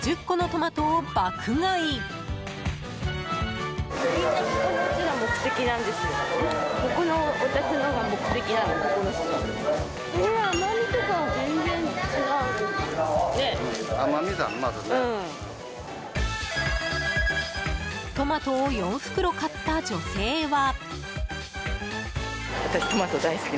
トマトを４袋買った女性は。